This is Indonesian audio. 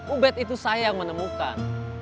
ubed itu saya yang menemukan